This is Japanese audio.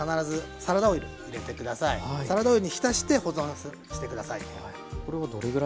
サラダオイルに浸して保存して下さい。